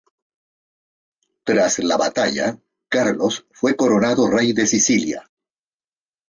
Tras la batalla Carlos fue coronado rey de Sicilia.